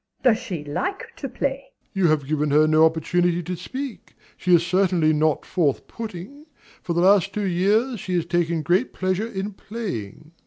Does she like to play? DOMINIE. You have given her no opportunity to speak, she is certainly not forth putting. For the last two years she has taken great pleasure in playing.